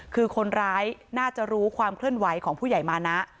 คือคนร้ายน่าจะรู้ความเคลื่อนไหวของผู้ใหญ่มานะ